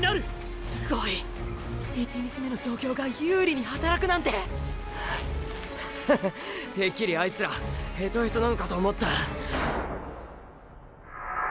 すごい１日目の状況が有利に働くなんてハァハハッてっきりあいつらヘトヘトなのかと思った。